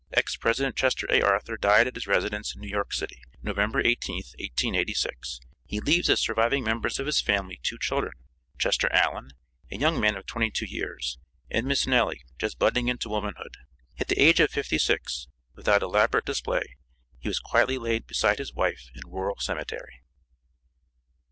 Ex President Chester A. Arthur died at his residence in New York city, November 18th, 1886. He leaves as surviving members of his family two children, Chester Allan, a young man of twenty two years, and Miss Nellie, just budding into womanhood. At the age of fifty six, without elaborate display, he was quietly laid beside his wife in Rural Cemetery.